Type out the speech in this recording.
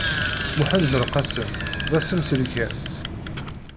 Muḥend Belqasem, d amsenselkam.